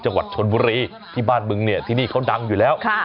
จังหวัดชนบุรีที่บ้านบึงเนี่ยที่นี่เขาดังอยู่แล้ว